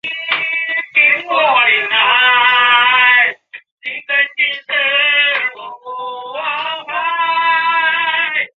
所有决议都必须在出席法官多数同意后才能做出。